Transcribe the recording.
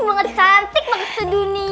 banget cantik maksud dunia